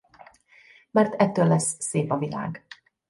Mert ettől lesz szép a világ.